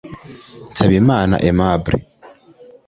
Nsabimana Aimable